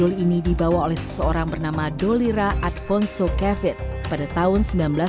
doli ini dibawa oleh seseorang bernama dolira adfonso kevitt pada tahun seribu sembilan ratus enam puluh tujuh